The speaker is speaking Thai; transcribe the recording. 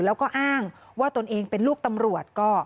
แล้วก็อ้างว่าตนเองเป็นลูกตำรวจก็